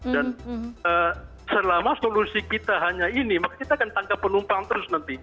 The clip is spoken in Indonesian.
dan selama solusi kita hanya ini maka kita akan tangkap penumpang terus nanti